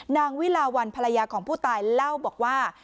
นางวิลาวันภรรยาของผู้ตายเล่าบอกว่า